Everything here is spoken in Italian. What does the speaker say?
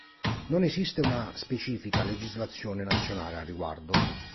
Non esiste una specifica legislazione nazionale al riguardo.